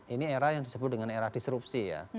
ini era yang disebut dengan era disrupsi ya